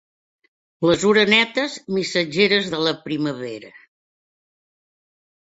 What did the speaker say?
Les orenetes, missatgeres de la primavera.